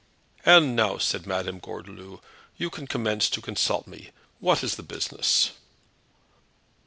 "And now," said Madame Gordeloup, "you can commence to consult me. What is the business?"